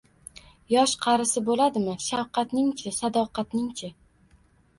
yosh-qarisi bo'ladimi? Shafqatning-chi? Sadoqatning-chi?